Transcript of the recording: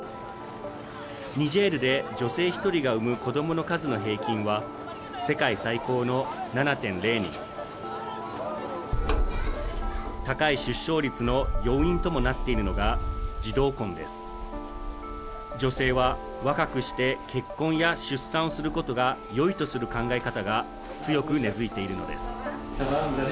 ニジェールで女性１人が産む子どもの数の平均は世界最高の７．０人高い出生率の要因ともなっているのが女性は若くして結婚や出産をすることがよいとする考え方が強く根付いているのです